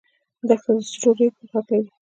دښته د سرو ریګو غږ لري.